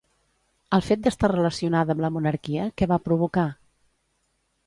El fet d'estar relacionada amb la monarquia, què va provocar?